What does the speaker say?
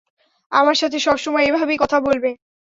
আমার সাথে সবসময় এভাবেই কথা বলবে?